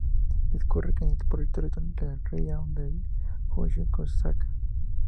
Discurre por el territorio del raión de Kushchóvskaya.